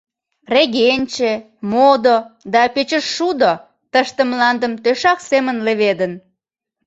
Регенче, модо да пӧчыжшудо тыште мландым тӧшак семын леведын.